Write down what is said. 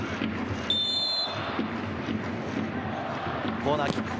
コーナーキック。